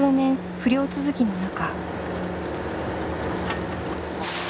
不漁続きの中。